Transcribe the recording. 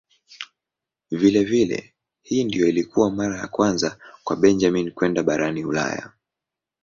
Vilevile hii ndiyo ilikuwa mara ya kwanza kwa Benjamin kwenda barani Ulaya.